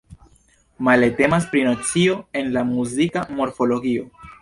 Male temas pri nocio el la muzika morfologio.